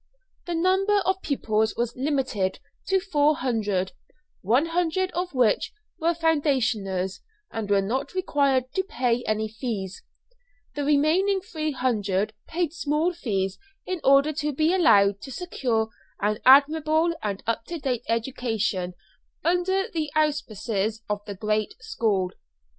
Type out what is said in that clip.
The number of pupils was limited to four hundred, one hundred of which were foundationers and were not required to pay any fees; the remaining three hundred paid small fees in order to be allowed to secure an admirable and up to date education under the auspices of the great school.